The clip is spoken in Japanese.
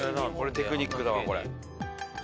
テクニックだわこれ。